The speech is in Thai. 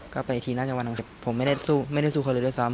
ก็ไปทีหน้าจังหวันผมไม่ได้สู้ไม่ได้สู้คนเลยด้วยซ้ำ